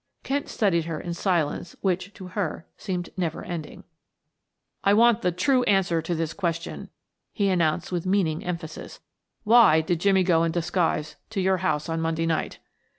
Kent studied her in a silence which, to her, seemed never ending. "I want the true answer to this question," he announced with meaning emphasis. "Why did Jimmie go in disguise to your house on Monday night?"